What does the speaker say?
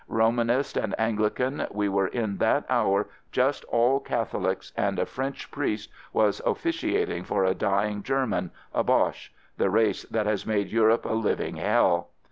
Roman ist and Anglican, we were in that hour just all Catholics and a French priest was officiating for a dying German — a Boche — the race that has made Europe a living hell.